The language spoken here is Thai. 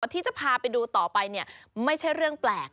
ที่จะพาไปดูต่อไปเนี่ยไม่ใช่เรื่องแปลก